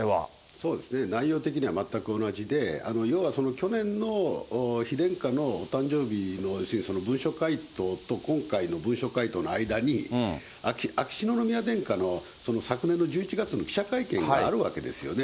そうですね、内容的には全く同じで、要は、去年の妃殿下のお誕生日の文書回答と、今回の文書回答の間に、秋篠宮殿下の昨年の１１月の記者会見があるわけですよね。